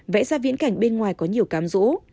vẽ ra viễn cảnh bên ngoài có nhiều cám rũ